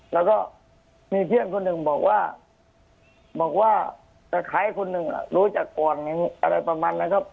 แล้วก็มีเพื่อนคนหนึ่งบอกว่าบอกว่าตะไคร้คนหนึ่งรู้จักก่อนอะไรประมาณนั้นครับ